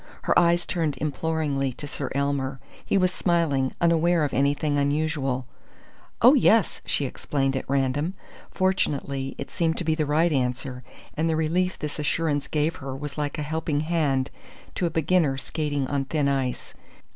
Her eyes turned imploringly to Sir Elmer. He was smiling, unaware of anything unusual. "Oh, yes!" she exclaimed at random. Fortunately it seemed to be the right answer; and the relief this assurance gave was like a helping hand to a beginner skating on thin ice.